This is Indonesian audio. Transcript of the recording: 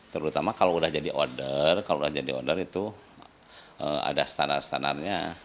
terutama kalau sudah jadi order kalau sudah jadi order itu ada standar standarnya